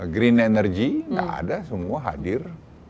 green energy nggak ada semua hadir